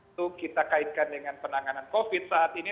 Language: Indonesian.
itu kita kaitkan dengan penanganan covid saat ini